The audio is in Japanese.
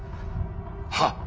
はっ。